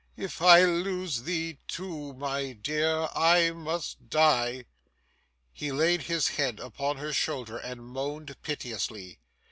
If I lose thee too, my dear, I must die!' He laid his head upon her shoulder and moaned piteously.